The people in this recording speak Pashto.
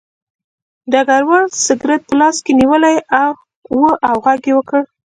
ډګروال سګرټ په لاس کې نیولی و او غږ یې وکړ